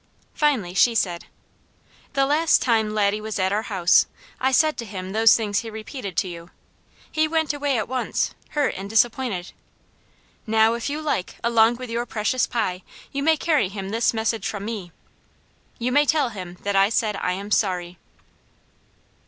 Finally she said: "The last time Laddie was at our house, I said to him those things he repeated to you. He went away at once, hurt and disappointed. Now, if you like, along with your precious pie, you may carry him this message from me. You may tell him that I said I am sorry!"